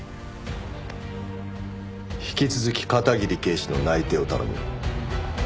引き続き片桐警視の内偵を頼む。